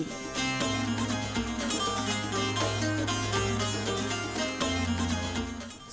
yang merupakan fakultas pertama yang berdiri di universitas ini